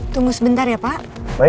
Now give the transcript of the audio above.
dan saat aku berada di persimpangan